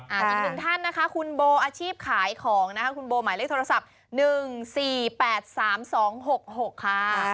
อีกหนึ่งท่านนะคะคุณโบอาชีพขายของนะคะคุณโบหมายเลขโทรศัพท์๑๔๘๓๒๖๖ค่ะ